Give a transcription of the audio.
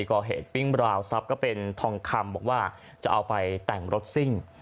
ก่อเหตุปิ้งบราวทรัพย์ก็เป็นทองคำบอกว่าจะเอาไปแต่งรถซิ่ง